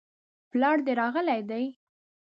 پلار دي راغلی دی؟